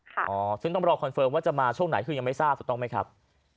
อ๋อซึ่งต้องรอคอนเฟิร์มว่าจะมาช่วงไหนคือยังไม่ทราบถูกต้องไหมครับ